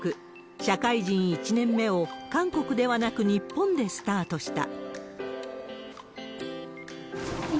社会人１年目を韓国ではなく、日本でスタートした。